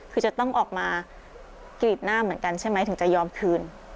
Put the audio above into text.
คือจะต้องออกมากรีดหน้าเหมือนกันใช่ไหมถึงจะยอมคืน